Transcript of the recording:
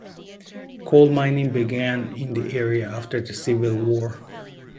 Coal mining began in this area after the Civil War.